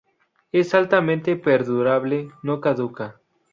Es altamente perdurable, no caduca.